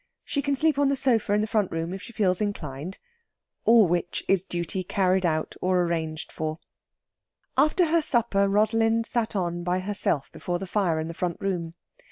She can sleep on the sofa in the front room if she feels inclined. All which is duty carried out or arranged for. After her supper Rosalind sat on by herself before the fire in the front room.